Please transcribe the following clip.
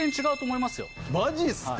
マジっすか！